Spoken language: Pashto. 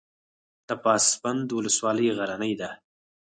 د پسابند ولسوالۍ غرنۍ ده